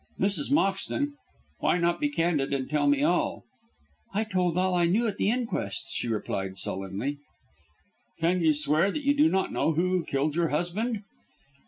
"Mrs. Moxton, why not be candid and tell me all?" "I told all I knew at the inquest," she replied sullenly. "Can you swear that you do not know who killed your husband?"